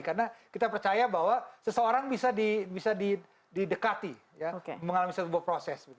karena kita percaya bahwa seseorang bisa didekati mengalami sebuah proses